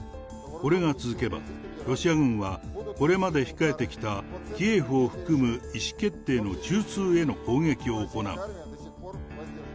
これが続けば、ロシア軍はこれまで控えてきたキエフを含む意思決定の中枢への攻撃を行う。